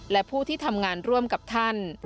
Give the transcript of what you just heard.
และผู้ที่ทำงานร่วมกับท่าน